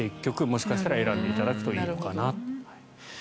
もしかしたら選んでいただくといいのかな。